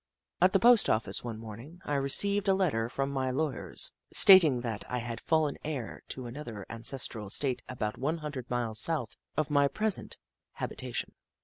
At the post office one morning, I received a letter from my lawyers, stating that I had fallen heir to another ancestral estate about one hundred miles south of my present habita tion.